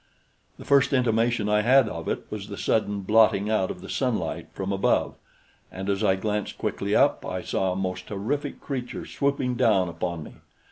The first intimation I had of it was the sudden blotting out of the sunlight from above, and as I glanced quickly up, I saw a most terrific creature swooping down upon me.